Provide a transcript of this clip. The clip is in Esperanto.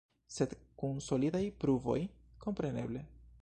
Sed kun solidaj pruvoj, kompreneble.